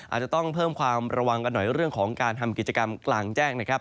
อาจจะต้องเพิ่มความระวังกันหน่อยเรื่องของการทำกิจกรรมกลางแจ้งนะครับ